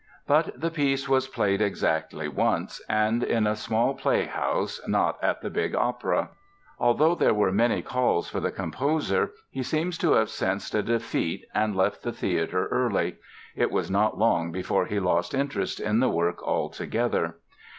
But the piece was played exactly once, and in a small playhouse, not at the big opera. Although there were many calls for the composer he seems to have sensed a defeat and left the theatre early. It was not long before he lost interest in the work altogether.